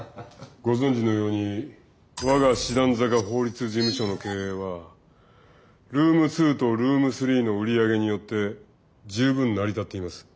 ご存じのように我が師団坂法律事務所の経営はルーム２とルーム３の売り上げによって十分成り立っています。